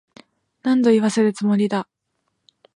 何度言わせるつもりだ。